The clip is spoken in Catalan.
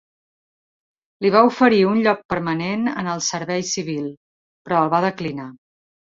Li va oferir un lloc permanent en el servei civil, però el va declinar.